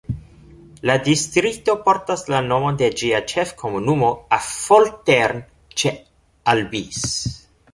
La distrikto portas la nomon de ĝia ĉef-komunumo Affoltern ĉe Albis.